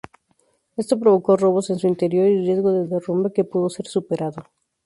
Esto provocó robos en su interior y riesgo de derrumbe que pudo ser superado.